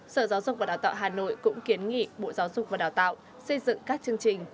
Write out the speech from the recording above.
sở giáo dục và đào tạo hà nội cũng kiến nghị bộ giáo dục và đào tạo xây dựng các chương trình